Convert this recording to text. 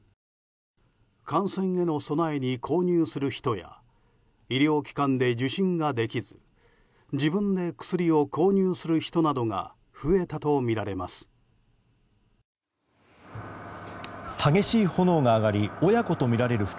感染への備えに購入する人や医療機関で受診ができず自分で薬を購入する人などが増えたとみられます。